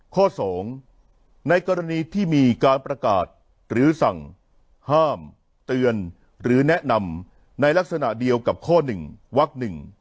ข้อ๒ในกรณีที่มีการประกาศหรือสั่งห้ามเตือนหรือแนะนำในลักษณะเดียวกับข้อ๑วัก๑